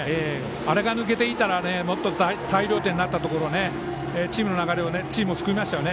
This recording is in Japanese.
あれが抜けていたらもっと大量点になったところをチームを救いましたね。